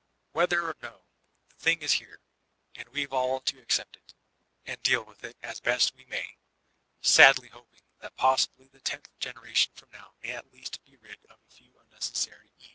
Whether or no, the thing is here, and weVe all to accept it, and deal with it as best we may, sadly hoping that possibly the tenth generation from now may at least be rid of a few unnecessary "e's."